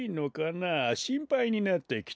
しんぱいになってきたよ。